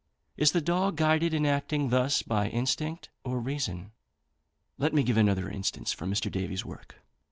Is the dog guided in acting thus by instinct or reason? Let me give another instance from Mr. Davy's work.